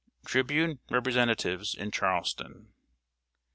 [Sidenote: TRIBUNE REPRESENTATIVES IN CHARLESTON.